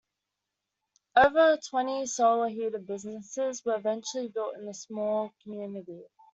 Over twenty solar heated businesses were eventually built in the small community.